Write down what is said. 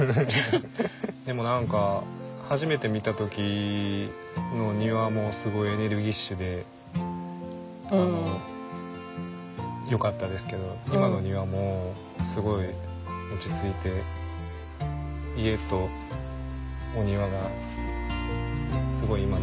でも何か初めて見た時の庭もすごいエネルギッシュでよかったですけど今の庭もすごい落ち着いて家とお庭がすごい今なじんでる感じがしますね。